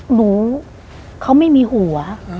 หนูเขาไม่มีหัว